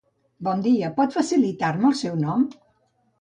Bon dia, pot facilitar-me el seu nom?